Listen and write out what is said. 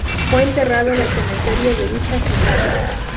Fue enterrado en el cementerio de dicha ciudad.